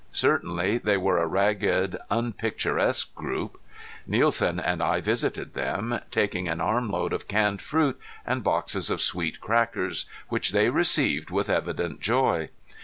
Certainly they were a ragged unpicturesque group. Nielsen and I visited them, taking an armload of canned fruit, and boxes of sweet crackers, which they received with evident joy.